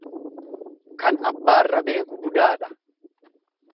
Kan abbaara beeku budaadha.